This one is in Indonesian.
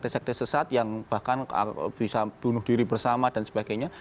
sekte sesat yang bahkan bisa bunuh diri bersama dan sebagainya